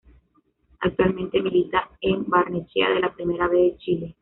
Actualmente milita en Barnechea de la Primera B de Chile.